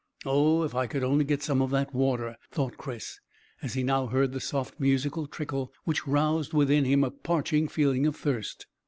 "Oh, if I could only get some of that water!" thought Chris, as he now heard the soft musical trickle which roused within him a parching feeling of thirst.